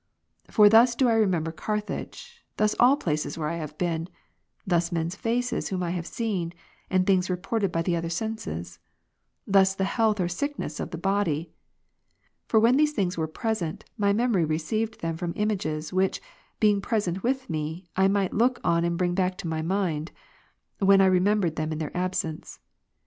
For thus do I remember Carthage, thus all places where I have been, thus men's faces whom I have seen, and things reported by the other senses ; thus the health or sickness of the body. For when these things were present, my memory received from them images, which, being present with me, I might look on and bring back in my mind, when I remembered them in their absence.